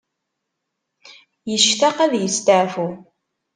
Yectaq ad yesteɛfu.